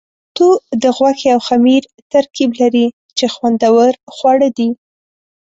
منتو د غوښې او خمیر ترکیب لري، چې خوندور خواړه دي.